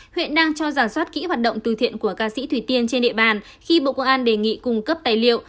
huyện đang cho giả soát kỹ hoạt động từ thiện của ca sĩ thủy tiên trên địa bàn khi bộ công an đề nghị cung cấp tài liệu